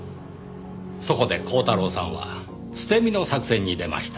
そこで鋼太郎さんは捨て身の作戦に出ました。